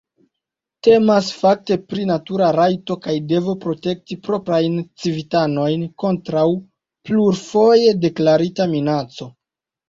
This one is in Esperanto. Temas, fakte, pri natura rajto kaj devo protekti proprajn civitanojn kontraŭ plurfoje deklarita minaco.